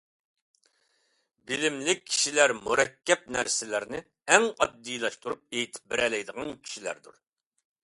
بىلىملىك كىشىلەر مۇرەككەپ نەرسىلەرنى ئەڭ ئاددىيلاشتۇرۇپ ئېيتىپ بېرەلەيدىغان كىشىلەردۇر.